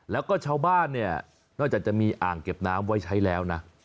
แล้วก็ชาวบ้านเนี่ยนอกจากจะมีอ่างเก็บน้ำไว้ใช้แล้วนะ